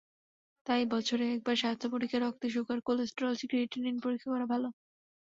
তাই বছরে একবার স্বাস্থ্য পরীক্ষা, রক্তের সুগার, কোলেস্টেরল, ক্রিয়েটিনিন পরীক্ষা করা ভালো।